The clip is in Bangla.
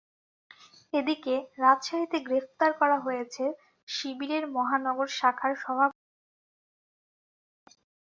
এদিকে, রাজশাহীতে গ্রেপ্তার করা হয়েছে শিবিরের মহানগর শাখার সভাপতি আনিসুর রহমান বিশ্বাসকে।